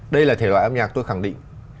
đây là thể loại âm nhạc tôi khẳng định